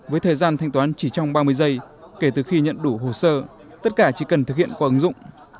với thời gian thanh toán chỉ trong ba mươi giây kể từ khi nhận đủ hồ sơ tất cả chỉ cần thực hiện qua ứng dụng